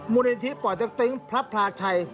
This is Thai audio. มูลนิธิป่อเต็กตึงพระพลาชัย